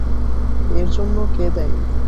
এর জন্যে কে দায়ী।